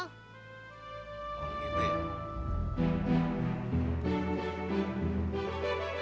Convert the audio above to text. oh gitu ya